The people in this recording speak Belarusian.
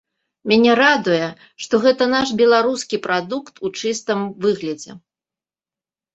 Мяне радуе, што гэта наш беларускі прадукт у чыстым выглядзе.